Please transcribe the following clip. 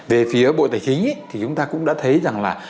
về phía bộ tài chính thì chúng ta cũng đã thấy rằng là